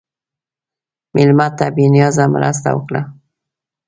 مېلمه ته بې نیازه مرسته وکړه.